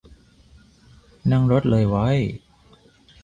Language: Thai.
นั่งรถเลย ว้อย